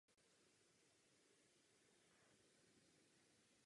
Valentýna.